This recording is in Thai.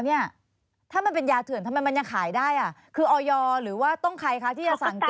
เนี่ยถ้ามันเป็นยาเถื่อนทำไมยังขายได้